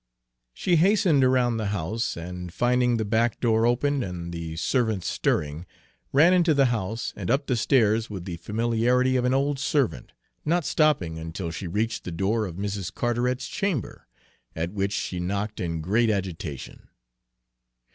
She hastened around the house, and finding the back door open and the servants stirring, ran into the house and up the stairs with the familiarity of an old servant, not stopping until she reached the door of Mrs. Carteret's chamber, at which she knocked in great agitation.